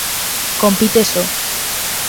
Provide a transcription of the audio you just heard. Compite só.